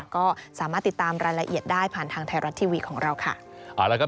ก็สามารถติดตามรายละเอียดได้ผ่านทางไทยรัฐทีวีของเราค่ะ